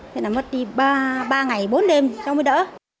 thế là mất đi ba ngày bốn đêm xong mới đỡ